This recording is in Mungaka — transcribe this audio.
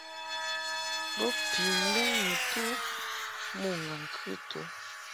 Bo pi ndɔŋ ni tu mo ŋgaŋ-kɨtu.